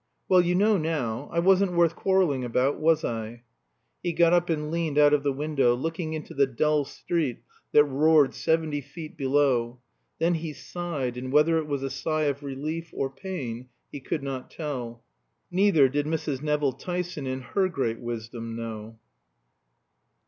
"Well, you know now. I wasn't worth quarreling about, was I?" He got up and leaned out of the window, looking into the dull street that roared seventy feet below. Then he sighed; and whether it was a sigh of relief or pain he could not tell. Neither did Mrs. Nevill Tyson in her great wisdom know.